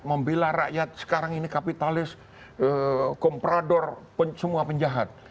membela rakyat sekarang ini kapitalis komprador semua penjahat